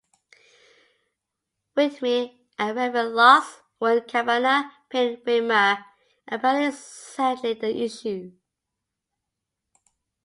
Whitmer and Raven lost when Cabana pinned Whitmer, apparently settling the issue.